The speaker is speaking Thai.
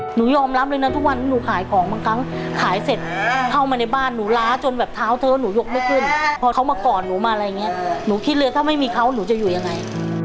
หนูยอมรับเลยนะทุกวันนี้หนูขายของบางครั้งขายเสร็จเข้ามาในบ้านหนูล้าจนแบบเท้าเธอหนูยกไม่ขึ้นพอเขามากอดหนูมาอะไรอย่างนี้หนูคิดเลยถ้าไม่มีเขาหนูจะอยู่ยังไง